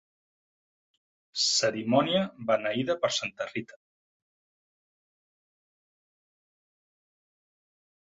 Cerimònia beneïda per santa Rita.